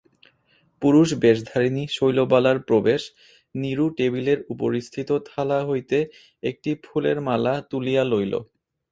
পুরুষবেশধারিণী শৈলবালার প্রবেশ নীরু টেবিলের উপরিস্থিত থালা হইতে একটি ফুলের মালা তুলিয়া লইল।